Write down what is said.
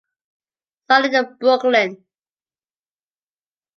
Saw it in Brooklyn.